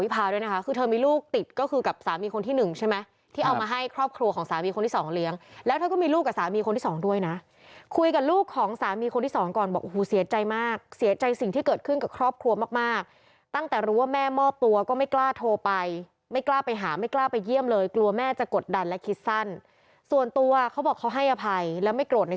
ไปเยี่ยมเลยกลัวแม่จะกดดันและคิดสั้นส่วนตัวเขาบอกเขาให้อภัยและไม่โกรธใน